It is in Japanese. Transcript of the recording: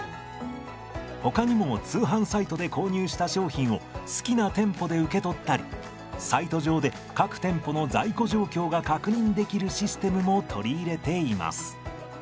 ほかにも通販サイトで購入した商品を好きな店舗で受け取ったりサイト上で各店舗の在庫状況が確認できるシステムも取り入れています。